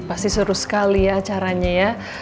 pasti seru sekali ya acaranya ya